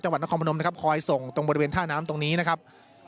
วัดนครพนมนะครับคอยส่งตรงบริเวณท่าน้ำตรงนี้นะครับ